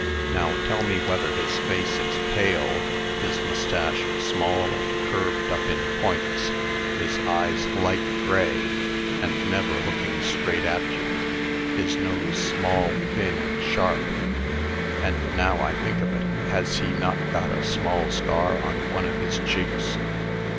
Now, tell me whether his face is pale, his mustache small and curved up in points, his eyes light gray, and never looking straight at you; his nose small, thin, and sharp; and, now I think of it, has he not got a small scar on one of his cheeks?"